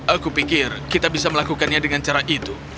aku pikir kita bisa melakukannya dengan cara itu